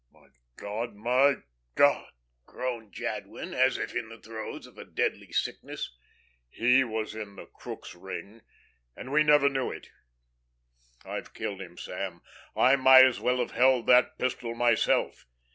"My God, my God," groaned Jadwin, as if in the throes of a deadly sickness. "He was in the Crookes' ring, and we never knew it I've killed him, Sam. I might as well have held that pistol myself."